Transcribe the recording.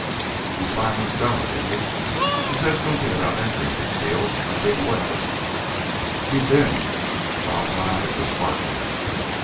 "He's buying and selling, is he? He said something about entering this field in a big way " "He's in." "Bob's" eyes were sparkling.